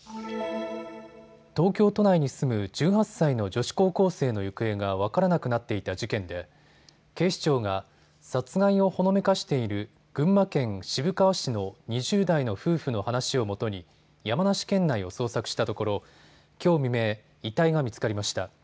東京都内に住む１８歳の女子高校生の行方が分からなくなっていた事件で警視庁が殺害をほのめかしている群馬県渋川市の２０代の夫婦の話をもとに山梨県内を捜索したところきょう未明、遺体が見つかりました。